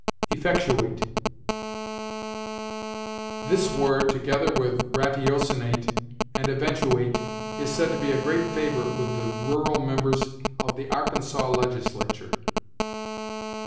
EFFECTUATE. This word, together with ratiocinate and eventuate, is said to be a great favorite with the rural members of the Arkansas legislature.